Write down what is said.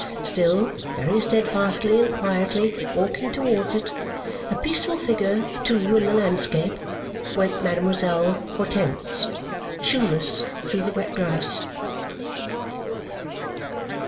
Still, very steadfastly and quietly walking towards it, a peaceful figure too in the landscape, went Mademoiselle Hortense, shoeless, through the wet grass.